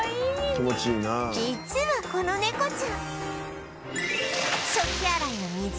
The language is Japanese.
実はこの猫ちゃん